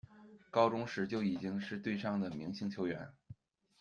高中时就已经是队上的明星球员。